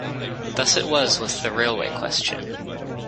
Thus it was with the railway question.